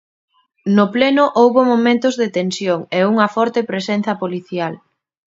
No pleno houbo momentos de tensión e unha forte presenza policial.